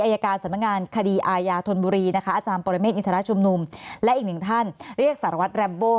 อายการสำนักงานคดีอายาธนบุรีนะคะอาจารย์ปรเมฆอินทรชุมนุมและอีกหนึ่งท่านเรียกสารวัตรแรมโบ